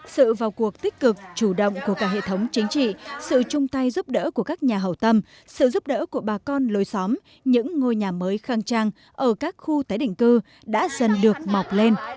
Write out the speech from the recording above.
sự vào cuộc tích cực chủ động của cả hệ thống chính trị sự chung tay giúp đỡ của các nhà hậu tâm sự giúp đỡ của bà con lối xóm những ngôi nhà mới khang trang ở các khu tái định cư đã dần được mọc lên